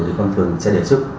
thì công an phường sẽ đề xuất